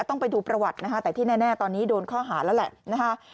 ต้องไปดูประวัตินะคะแต่ที่แน่ตอนนี้โดนข้อหาแล้วแหละนะคะ